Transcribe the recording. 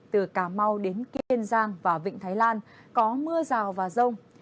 từ cà mau đến kiên giang và vịnh thái lan có mưa rào và rông